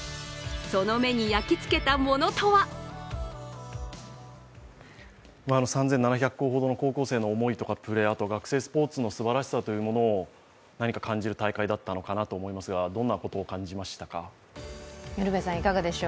その目に焼き付けたものとは３７００校の高校生の思いとか、学生スポーツのすばらしさというものを感じる大会だったのかなと思いますがどんなことを感じましたか？